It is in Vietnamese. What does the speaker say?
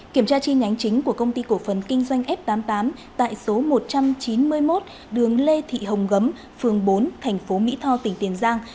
kiểm tra chi nhánh chính của công ty cổ phần kinh doanh f tám mươi tám tại số một trăm chín mươi một đường lê thị hồng gấm phường bốn thành phố mỹ tho tỉnh tiền giang